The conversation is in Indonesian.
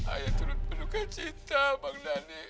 ayah turut penuhkan cinta bang dhani